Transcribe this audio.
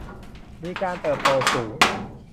มีการเติบโตสูง